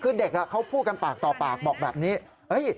คือเด็กเขาพูดกันปากต่อปากบอกแบบนี้